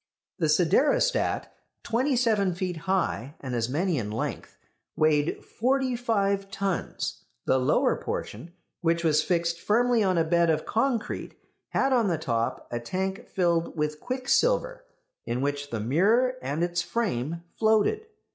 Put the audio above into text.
The siderostat, twenty seven feet high, and as many in length, weighed forty five tons. The lower portion, which was fixed firmly on a bed of concrete, had on the top a tank filled with quicksilver, in which the mirror and its frame floated.